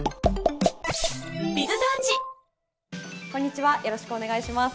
こんにちはよろしくお願いします。